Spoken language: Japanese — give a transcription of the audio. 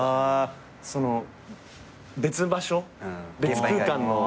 その別場所別空間の。